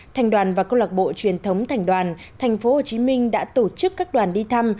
thành đoàn và câu lạc bộ truyền thống thành đoàn tp hcm đã tổ chức các đoàn đi thăm